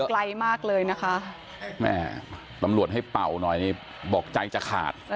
ไกลมากเลยนะคะแม่ตำรวจให้เป่าหน่อยนี่บอกใจจะขาด